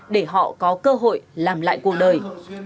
để họ có cơ hội làm lại cuộc đời